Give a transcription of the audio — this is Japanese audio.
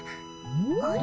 あれ？